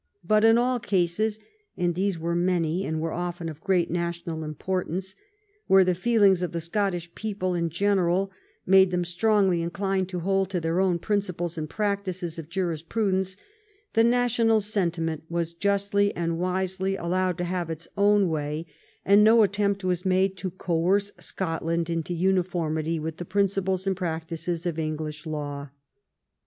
But in all cases, and these were many and were often of great national importance, where the feelings of the Scottish people in general made them strongly inclined to hold to their own principles and practices of jurisprudence, the national sentiment was justly and wisely allowed to have its own way, and no at 278 FIRST PARLIAMENT OF THE UNION tempt was made to coerce Scotland into uniformity with the principles and practices of English law.